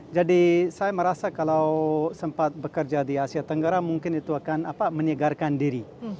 jadi saya merasa kalau sempat bekerja di asia tenggara mungkin itu akan menyegarkan diri